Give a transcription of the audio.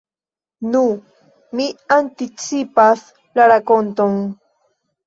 Nu, mi anticipas la rakonton.